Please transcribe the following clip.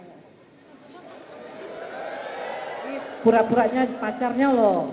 ini burak buraknya pacarnya loh